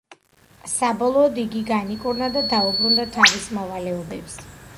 საბოლოოდ იგი განიკურნა და დაუბრუნდა თავის მოვალეობებს.